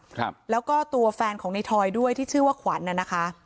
ครับแล้วก็ตัวแฟนของในทอยด้วยที่ชื่อว่าขวัญน่ะนะคะ